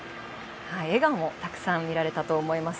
笑顔もたくさん見られたと思います。